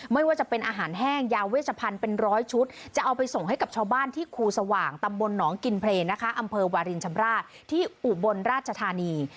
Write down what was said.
ไม่ว่าจะเป็นอาหารแห้งยาเวชพันธุ์เป็นร้อยชุดจะเอาไปส่งให้กับชาวบ้านที่ครูสว่างตำบลหนองกินเพลย์นะคะอำเภอวารินชำราบที่อุบลราชธานี